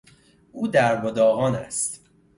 او درب و داغان است.